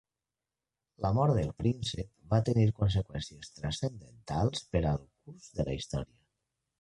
La mort del príncep va tenir conseqüències transcendentals per al curs de la història.